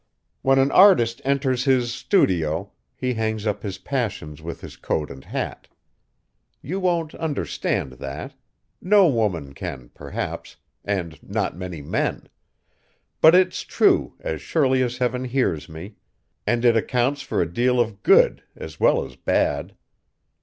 When an artist enters his studio he hangs up his passions with his coat and hat. You won't understand that. No woman can, perhaps, and not many men; but it's true as surely as heaven hears me! and it accounts for a deal of good as well as bad!